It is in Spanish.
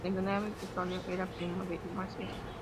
Nguema Esono era primo de Macías.